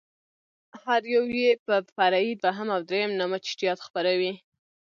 هر يو يې په فرعي دوهم او درېم نامه چټياټ خپروي.